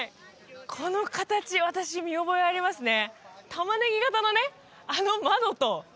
この形私見覚えありますね